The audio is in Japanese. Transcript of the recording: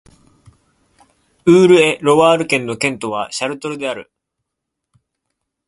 ウール＝エ＝ロワール県の県都はシャルトルである